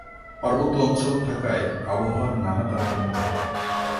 পার্বত্য অঞ্চল থাকায় আবহাওয়ার নানা তারতম্য ঘটে।